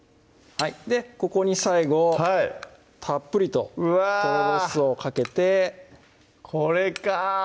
ここに最後たっぷりととろろ酢をかけてこれか！